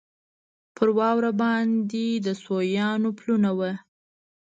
پر واوره باندې د سویانو پلونه وو.